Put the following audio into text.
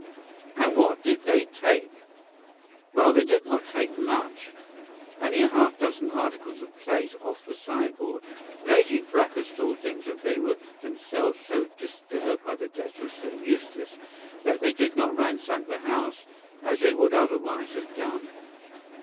"And what did they take?" "Well, they did not take much—only half a dozen articles of plate off the sideboard. Lady Brackenstall thinks that they were themselves so disturbed by the death of Sir Eustace that they did not ransack the house, as they would otherwise have done."